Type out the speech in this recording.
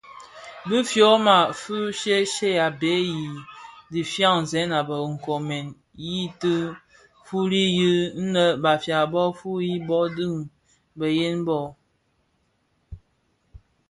Bi fyoma fi shye shye a bhee i dhifyanzèn a be nkoomèn i ti fuli yi nnë Bafia bō fuyi, bo dhi beyen ooo?